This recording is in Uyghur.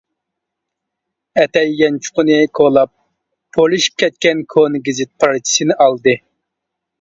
ئەتەي يانچۇقىنى كولاپ، پۇرلىشىپ كەتكەن كونا گېزىت پارچىسىنى ئالدى.